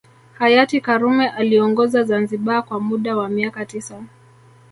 Hayati karume aliongoza Zanzibar kwa muda wa miaka tisa